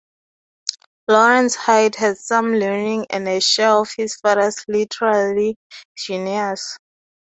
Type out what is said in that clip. Laurence Hyde had some learning and a share of his father's literary genius.